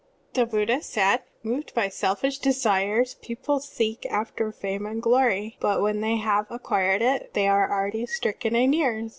"' (21) The Buddha said: "Moved by their selfish desires, people seek after fame and glory. But when they have acquired it, they are already stricken in years.